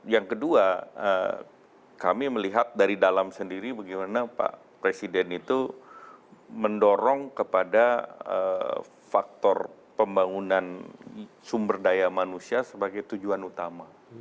yang kedua kami melihat dari dalam sendiri bagaimana pak presiden itu mendorong kepada faktor pembangunan sumber daya manusia sebagai tujuan utama